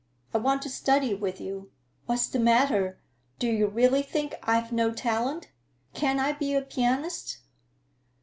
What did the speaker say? I want to study with you. What's the matter? Do you really think I've no talent? Can't I be a pianist?"